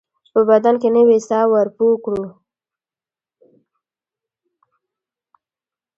په بدن کې نوې ساه ورپو کړو